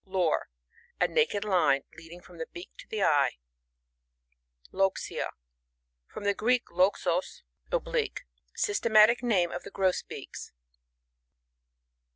Lore. — A naked line leading from the beak to the eye. LoxiA. — From the Greek, loxos, obb Itque. Systematic name of the Grosbeaks.